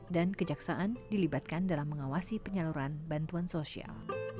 dan kejaksaan dilibatkan dalam mengawasi penyaluran bantuan sosial